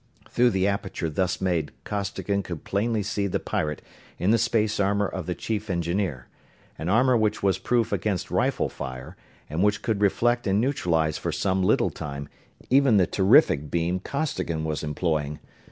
Through the aperture thus made Costigan could plainly see the pirate in the space armor of the chief engineer an armor which was proof against rifle fire and which could reflect and neutralize for some little time even the terrific beam Costigan was employing.